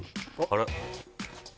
あれ？